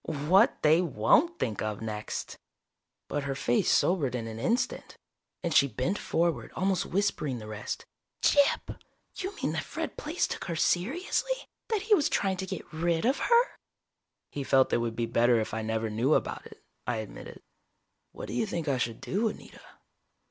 "What they won't think of next!" But her face sobered in an instant, and she bent forward, almost whispering the rest: "Gyp! You mean that Fred Plaice took her seriously! That he was trying to get rid of her?" "He felt it would be better if I never knew about it," I admitted. "What do you think I should do, Anita?"